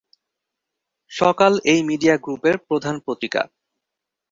সকাল এই মিডিয়া গ্রুপের প্রধান পত্রিকা।